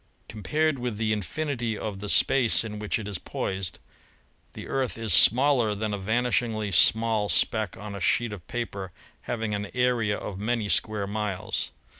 Compared with the infinity of the space in which it is poised, the Earth is smaller than a vanishingly small speck on a sheet of paper having an area of many square miles.